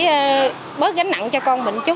để bớt gánh nặng cho con mình chút